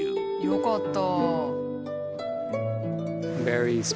よかった。